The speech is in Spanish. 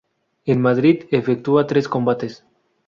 En Madrid, efectúa tres combates.